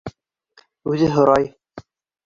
Үҙе һорай: